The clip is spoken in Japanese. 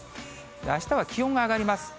あしたは気温が上がります。